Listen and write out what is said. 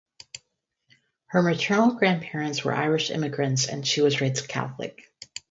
Her maternal grandparents were Irish immigrants, and she was raised Catholic.